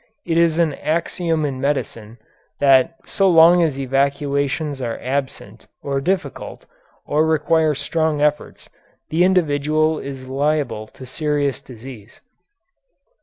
It is an axiom in medicine, that so long as evacuations are absent, or difficult, or require strong efforts, the individual is liable to serious disease.